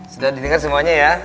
sudah ditekan semuanya ya